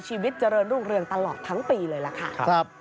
ชีวิตเจริญรุ่งเรืองตลอดทั้งปีเลยล่ะค่ะ